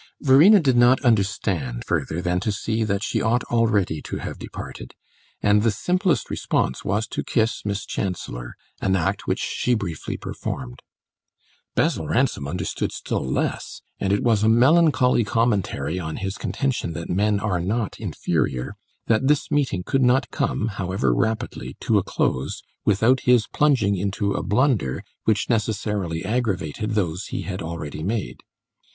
Verena did not understand further than to see that she ought already to have departed; and the simplest response was to kiss Miss Chancellor, an act which she briefly performed. Basil Ransom understood still less, and it was a melancholy commentary on his contention that men are not inferior, that this meeting could not come, however rapidly, to a close without his plunging into a blunder which necessarily aggravated those he had already made.